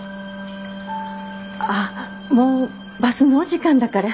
あっもうバスの時間だから。